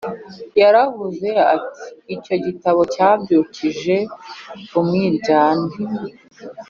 Yaravuze ati icyo gitabo cyabyukije umwiryane